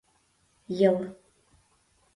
ЙЫЛ